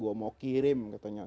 gue mau kirim katanya